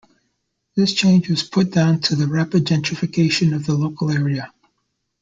This change was put down to the rapid gentrification of the local area.